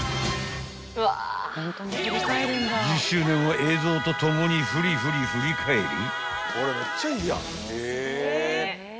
［１０周年は映像と共にふりふり振り返り］